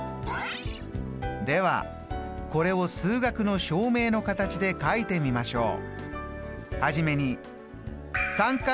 ではこれを数学の証明の形で書いてみましょう。